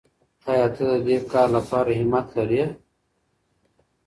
آیا ته د دې کار لپاره همت لرې؟